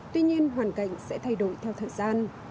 tuy nhiên hoàn cảnh sẽ thay đổi theo thời gian